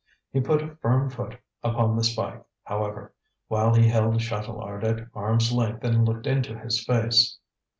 He put a firm foot upon the spike, however, while he held Chatelard at arm's length and looked into his face.